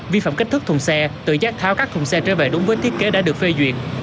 vi phạm kích thước thùng xe tự giác tháo các thùng xe trở về đúng với thiết kế đã được phê duyệt